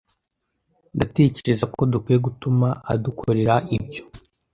Ndatekereza ko dukwiye gutuma adukorera ibyo.